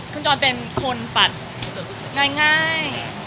คุณจอห์นเป็นคนแบบง่าย